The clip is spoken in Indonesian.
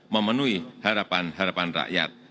memenuhi harapan harapan rakyat